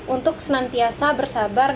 untuk senantiasa bersabar